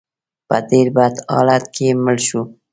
په ډېر بد حالت کې مړ شو.